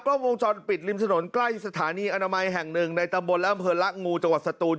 กล้องวงจรปิดริมถนนใกล้สถานีอนามัยแห่งหนึ่งในตำบลและอำเภอละงูจังหวัดสตูน